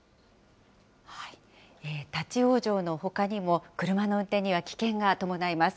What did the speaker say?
立往生のほかにも、車の運転には危険が伴います。